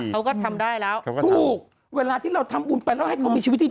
เขาก็ทำได้แล้วถูกเวลาที่เราทำบุญไปแล้วให้เขามีชีวิตที่ดี